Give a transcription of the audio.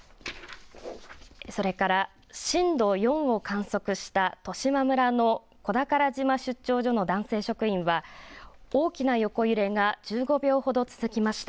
それから震度４を観測した十島村の小宝島出張所の男性職員は大きな横揺れが１５秒ほど続きました。